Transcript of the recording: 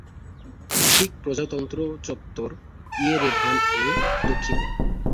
ঠিক প্রজাতন্ত্র চত্বর, ইয়েরেভান-এর দক্ষিণে।